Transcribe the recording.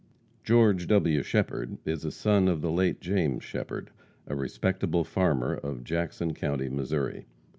George W. Shepherd is a son of the late James Shepherd, a respectable farmer of Jackson county, Missouri.